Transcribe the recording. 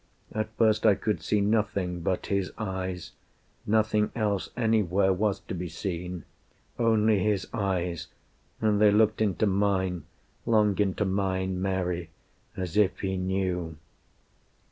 At first I could see nothing but His eyes; Nothing else anywhere was to be seen Only His eyes. And they looked into mine Long into mine, Mary, as if He knew."